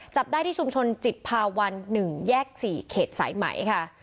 จับได้ที่ชุมชนจิตภาวัน๑แยก๔เขตสายไหมค่ะ